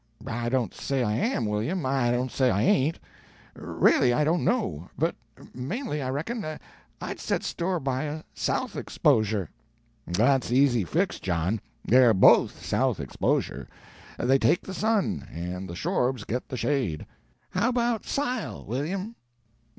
"I don't say I am, William, I don't say I ain't. Reely, I don't know. But mainly, I reckon, I'd set store by a south exposure." "That's easy fixed, John. They're both south exposure. They take the sun, and the Shorbs get the shade." "How about sile, William?"